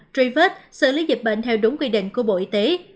truy vết xử lý dịch bệnh theo đúng quy định của bộ y tế